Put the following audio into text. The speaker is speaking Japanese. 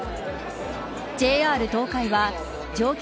ＪＲ東海は乗客